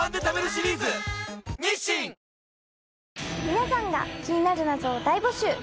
皆さんが気になる謎を大募集。